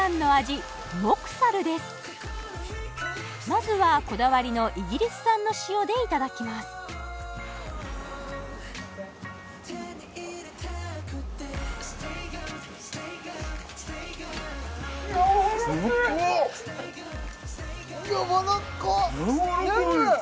まずはこだわりのイギリス産の塩でいただきますやわらかっ！やわらかっ！